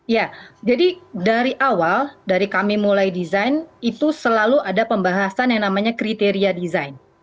ya jadi dari awal dari kami mulai desain itu selalu ada pembahasan yang namanya kriteria desain